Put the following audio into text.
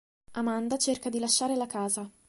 Amanda cerca di lasciare la casa.